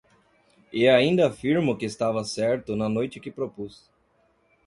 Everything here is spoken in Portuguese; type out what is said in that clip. E ainda afirmo que estava certo na noite que propus.